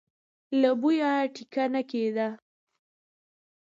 له بويه ټېکه نه کېده.